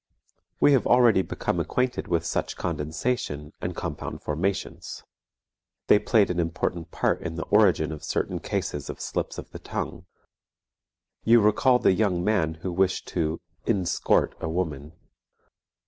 We have already become acquainted with such condensation and compound formations; they played an important part in the origin of certain cases of slips of the tongue. You recall the young man who wished to inscort a woman.